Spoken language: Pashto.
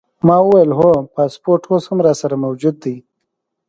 ما وویل: هو، پاسپورټ اوس هم راسره موجود دی.